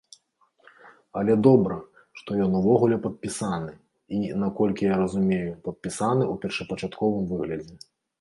Але добра, што ён увогуле падпісаны, і, наколькі я разумею, падпісаны ў першапачатковым выглядзе.